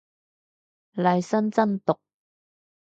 利申真毒